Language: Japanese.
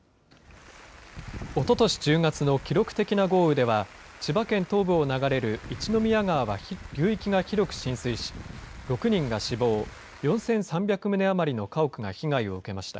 おととし１０月の記録的な豪雨では、千葉県東部を流れる一宮川は流域が広く浸水し、６人が死亡、４３００棟余りの家屋が被害を受けました。